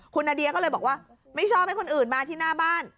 คุณนาเดียก็เลยบอกว่าไม่ชอบให้คนอื่นมาที่หน้าบ้าน